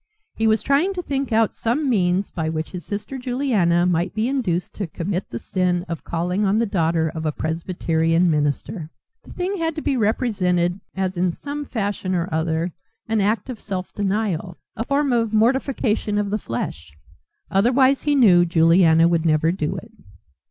He was trying to think out some means by which his sister Juliana might be induced to commit the sin of calling on the daughter of a presbyterian minister. The thing had to be represented as in some fashion or other an act of self denial, a form of mortification of the flesh. Otherwise he knew Juliana would never do it.